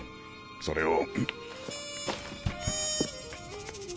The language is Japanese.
それをん？